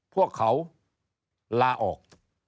พวกเขาลาออก